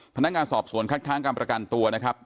พนักงานสอบสวนคัดค้างการประกันตัวนะครับ